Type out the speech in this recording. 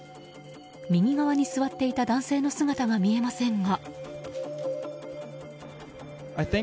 右側に座っていた男性の姿が見えませんが。